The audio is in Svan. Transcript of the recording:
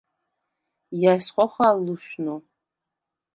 ჲა̈ს ხოხალ ლუშნუ?